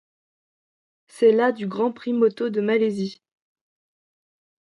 C'est la du Grand Prix moto de Malaisie.